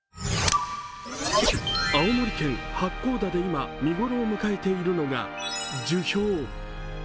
青森県八甲田で今、見頃を迎えているのが樹氷。